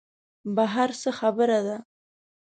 بهر څه خبره ده.